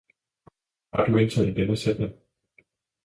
Har du indtalt denne sætning?